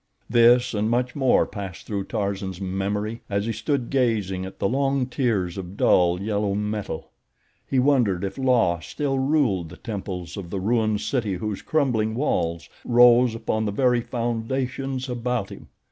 This and much more passed through Tarzan's memory as he stood gazing at the long tiers of dull yellow metal. He wondered if La still ruled the temples of the ruined city whose crumbling walls rose upon the very foundations about him.